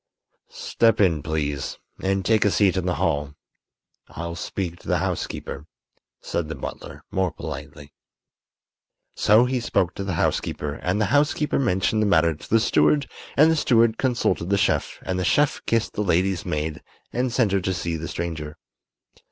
"Step in, please, and take a seat in the hall. I'll speak to the housekeeper," said the butler, more politely. So he spoke to the housekeeper and the housekeeper mentioned the matter to the steward and the steward consulted the chef and the chef kissed the lady's maid and sent her to see the stranger.